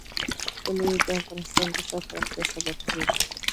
کلي د افغانستان د ښاري پراختیا سبب کېږي.